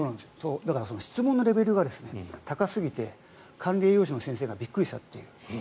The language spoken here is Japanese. だから質問のレベルが高すぎて管理栄養士の先生がびっくりしたという。